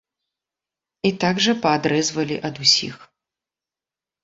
І так жа паадрэзвалі ад усіх.